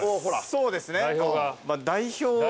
そうですね。